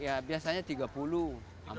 ya biasanya tiga puluh empat puluh benji galung